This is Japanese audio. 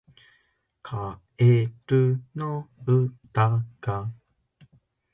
カエルの歌が